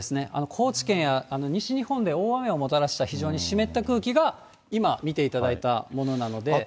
高知県や西日本で大雨をもたらした非常に湿った空気が、今、見ていただいたものなので。